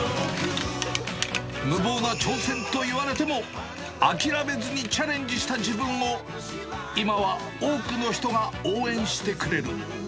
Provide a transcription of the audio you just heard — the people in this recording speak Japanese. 無謀な挑戦と言われても、諦めずにチャレンジした自分を、今は多くの人が応援してくれる。